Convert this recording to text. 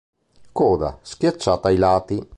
Coda: Schiacciata ai lati.